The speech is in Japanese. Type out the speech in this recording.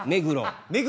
目黒。